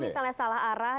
kalau misalnya salah arah